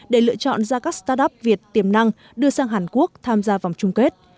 để lựa chọn ra các startup việt tiềm năng đưa sang hàn quốc tham gia vòng chung kết